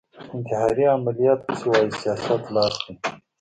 انتحاري عملیات وشي وايي سیاست لاس دی